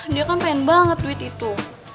dia kan pengen banget duit itu